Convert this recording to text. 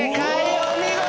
お見事！